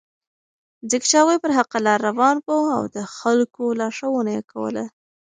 ځکه چې هغوی پر حقه لاره روان وو او د خلکو لارښوونه یې کوله.